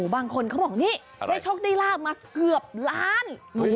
บางคนเขาบอกนี่ได้โชคได้ลาบมาเกือบล้าน